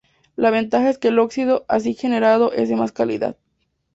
La ventaja es que el óxido así generado es de más calidad.